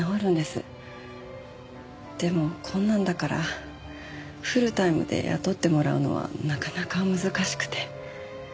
でもこんなんだからフルタイムで雇ってもらうのはなかなか難しくて。